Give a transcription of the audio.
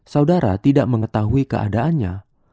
saudara tidak mengetahui keadaannya